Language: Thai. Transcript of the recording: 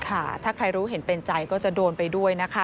ค่ะถ้าใครรู้เห็นเป็นใจก็จะโดนไปด้วยนะคะ